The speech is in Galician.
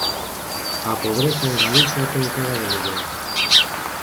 A pobreza en Galicia ten cara de muller.